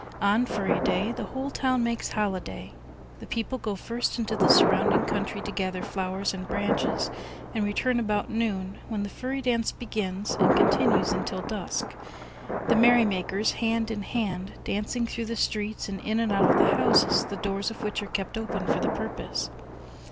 On "Furry Day" the whole town makes holiday. The people go first into the surrounding country to gather flowers and branches, and return about noon, when the Furry dance begins and continues until dusk; the merrymakers, hand in hand, dancing through the streets and in and out of the houses, the doors of which are kept open for the purpose.